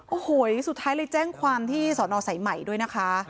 โอ้โหสุดท้ายเลยแจ้งความที่สอนอสายใหม่ด้วยนะคะ